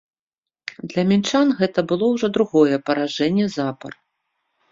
Для мінчан гэта было ўжо другое паражэнне запар.